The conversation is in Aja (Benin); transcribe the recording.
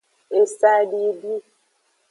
Esadidi.